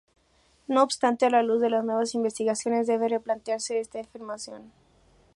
No obstante, a la luz de las nuevas investigaciones, debe replantearse esta afirmación.